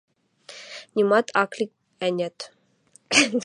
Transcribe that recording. Нимат ак ли, ӓнят?..